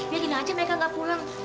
yakin aja mereka gak pulang